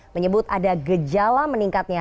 menyebut ada gejala meningkatnya